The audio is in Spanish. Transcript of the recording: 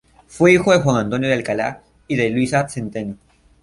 Fue hijo de Juan Antonio de Alcalá y de Luisa Centeno.